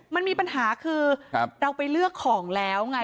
มันมีปัญหาคือเราไปเลือกของแล้วไง